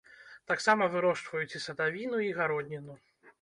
Таксама вырошчваюць і садавіну, і гародніну.